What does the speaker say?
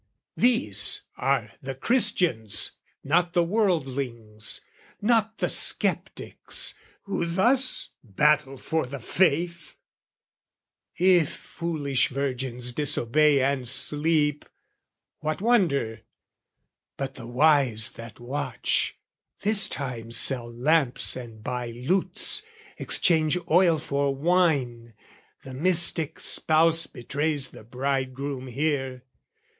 These are the Christians not the wordlings, not The sceptics, who thus battle for the faith! If foolish virgins disobey and sleep, What wonder? But the wise that watch, this time Sell lamps and buy lutes, exchange oil for wine, The mystic Spouse betrays the Bridegroom here.